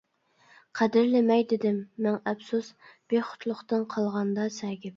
قەدىرلىمەي، دېدىم: مىڭ ئەپسۇس، بىخۇدلۇقتىن قالغاندا سەگىپ.